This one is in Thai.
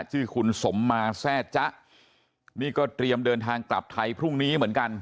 ชื่อคุณสมมาแทร่จ๊ะนี่ก็เตรียมเดินทางกลับไทยพรุ่งนี้เหมือนกัน